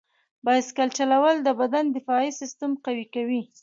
بایسکل چلول د بدن دفاعي سیستم قوي کوي.